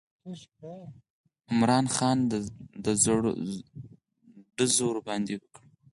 عمرا خان ډز ورباندې وکړ.